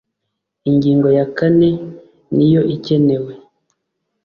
ingingo yakane niyo ikenewe.